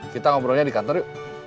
kita ngobrolnya di kantor yuk